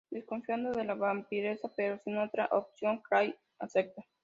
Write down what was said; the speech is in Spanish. Desconfiando de la vampiresa, pero sin otra opción Cyrax acepta.